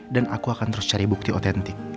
dan aku akan terus cari bukti otentik